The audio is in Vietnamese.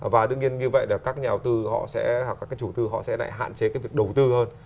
và đương nhiên như vậy là các nhà đầu tư họ sẽ hoặc các chủ tư họ sẽ lại hạn chế cái việc đầu tư hơn